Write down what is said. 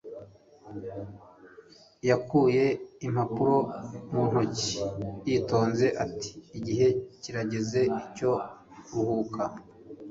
yakuye impapuro mu ntoki yitonze ati igihe kirageze cyo kuruhuka